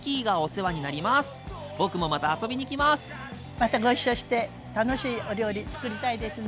またご一緒して楽しいお料理つくりたいですね。